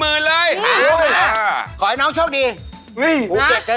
สุโคไทยครับสุโคไทยครับสุโคไทยครับ